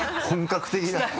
本格的な。